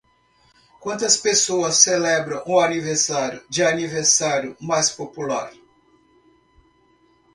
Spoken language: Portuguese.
Quantas pessoas celebram o aniversário de aniversário mais popular?